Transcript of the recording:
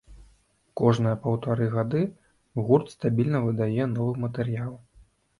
Кожныя паўтары гады гурт стабільна выдае новы матэрыял.